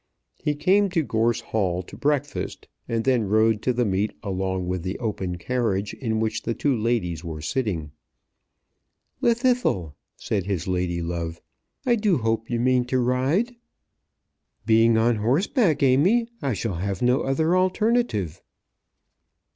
He came to Gorse Hall to breakfast, and then rode to the meet along with the open carriage in which the two ladies were sitting. "Llwddythlw," said his lady love, "I do hope you mean to ride." "Being on horseback, Amy, I shall have no other alternative."